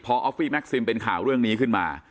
พอออฟฟี่แม็กซิมเป็นข่าวเรื่องนี้ขึ้นมา